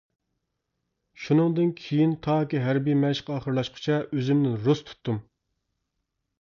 شۇنىڭدىن كېيىن تاكى ھەربىي مەشىق ئاخىرلاشقۇچە ئۆزۈمنى رۇس تۇتتۇم.